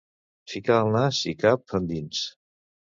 Ficar el nas i cap endins!